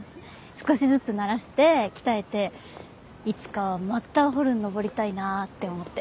少しずつ慣らして鍛えていつかはマッターホルン登りたいなって思って。